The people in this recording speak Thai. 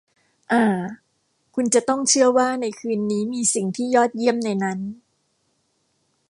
อ่า คุณจะต้องเชื่อว่าในคืนนี้มีสิ่งที่ยอดเยี่ยมในนั้น